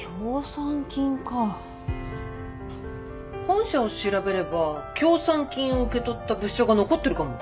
本社を調べれば協賛金を受け取った物証が残ってるかも。